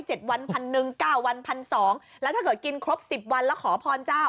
วันพันหนึ่งเก้าวันพันสองแล้วถ้าเกิดกินครบสิบวันแล้วขอพรเจ้า